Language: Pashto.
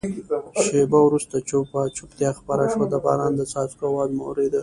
شېبه وروسته چوپه چوپتیا خپره شوه، د باران د څاڅکو آواز مو اورېده.